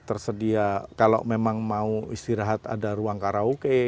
tersedia kalau memang mau istirahat ada ruang karaoke